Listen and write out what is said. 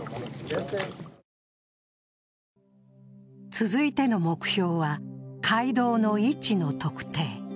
続いての目標は、街道の位置の特定。